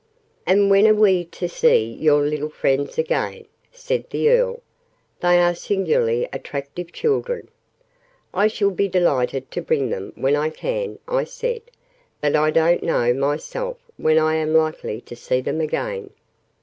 "And when are we to see your little friends again?" said the Earl. "They are singularly attractive children." "I shall be delighted to bring them, when I can," I said! "But I don't know, myself, when I am likely to see them again."